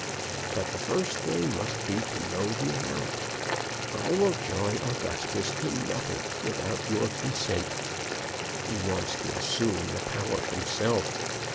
But the first thing must be to know the amount. I will join Augustus in nothing without your consent. He wants to assume the power himself.